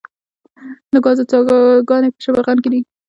د ګازو څاګانې په شبرغان کې دي